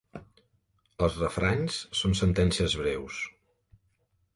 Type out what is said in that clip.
Els refranys són sentències breus.